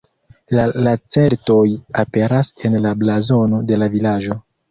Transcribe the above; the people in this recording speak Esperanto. La lacertoj aperas en la blazono de la vilaĝo.